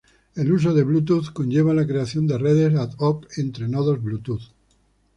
El uso de Bluetooth conlleva la creación de redes ad hoc entre nodos Bluetooth.